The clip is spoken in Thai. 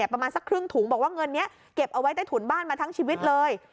ประมาณสักครึ่งถุงบอกว่าเงินนี้เก็บเอาไว้ใต้ถุนบ้านมาทั้งชีวิตเลย